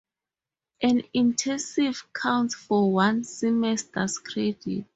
An intensive counts for one semester's credit.